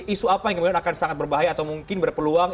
isu apa yang kemudian akan sangat berbahaya atau mungkin berpeluang